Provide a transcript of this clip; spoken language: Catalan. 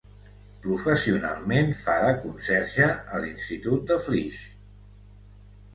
Professionalment, fa de conserge a l'Institut de Flix.